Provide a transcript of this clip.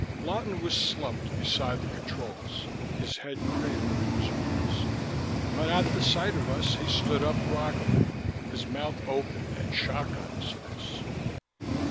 Lawton was slumped beside the controls, his head cradled in his arms. But at the sight of us, he stood up groggily, his mouth open, and shock on his face.